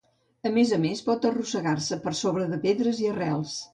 A més a més, pot arrossegar-se per sobre de pedres i arrels.